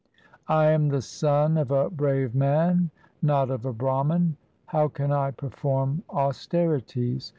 I am the son of a brave man, not of a Brahman ; how can I perform austerities